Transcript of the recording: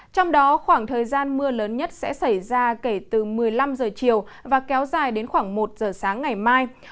trong đó khoảng thời gian mưa lớn nhất sẽ xảy ra kể từ một mươi năm h chiều và kéo dài đến khoảng một giờ sáng ngày mai